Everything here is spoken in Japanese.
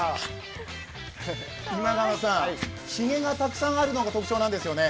今川さん、ひげがたくさんあるのが特徴なんですよね？